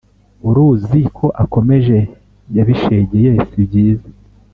uruzi ko akomeje, yabishegeye si byiza.